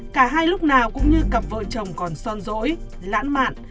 cả hai lúc nào cũng như cặp vợ chồng còn son rỗi lãng mạn